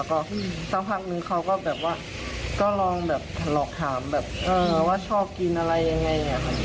แล้วก็สักพักนึงเขาก็แบบว่าก็ลองแบบถลอกถามแบบว่าชอบกินอะไรยังไง